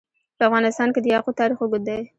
په افغانستان کې د یاقوت تاریخ اوږد دی.